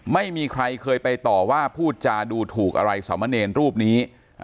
ไม่เคยไปต่อว่าพูดจาดูถูกอะไรสามเณรรูปนี้